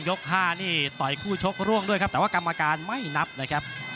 ๕นี่ต่อยคู่ชกร่วงด้วยครับแต่ว่ากรรมการไม่นับเลยครับ